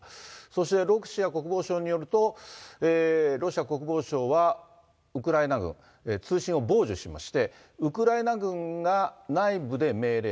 そして、ロシア国防省によると、ロシア国防省は、ウクライナ軍、通信を傍受しまして、ウクライナ軍が内部で命令。